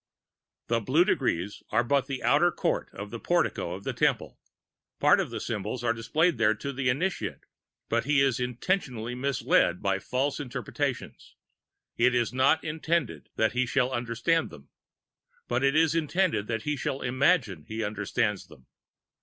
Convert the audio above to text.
[The Blue Degrees are but the outer court or portico of the Temple. Part of the symbols are displayed there to the Initiate, but he is intentionally misled by false interpretations. It is not intended that he shall understand them; but it is intended that he shall imagine he understands them.